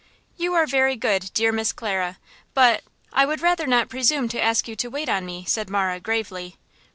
"You are very good, dear Miss Clara, but–I would rather not presume to ask you to wait on me," said Marah, gravely.